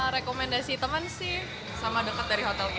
rekomendasi teman sih sama dekat dari hotel